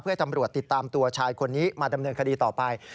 ให้ตำรวจติดตามตัวชายคนนี้มาดำเนินคดีต่อไป